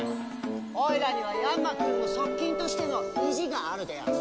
おいらにはヤンマくんの側近としての意地があるでやんす。